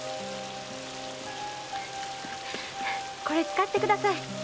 これ使ってください。